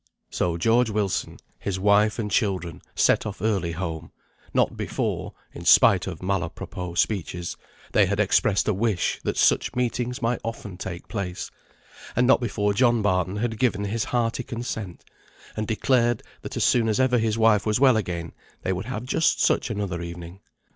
So George Wilson, his wife and children, set off early home, not before (in spite of mal à propos speeches) they had expressed a wish that such meetings might often take place, and not before John Barton had given his hearty consent; and declared that as soon as ever his wife was well again they would have just such another evening.